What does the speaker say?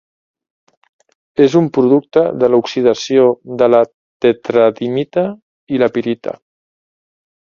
És un producte de l'oxidació de la tetradimita i la pirita.